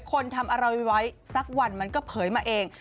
คนทำอะไรไว้สักวันมันก็เผยมาเอง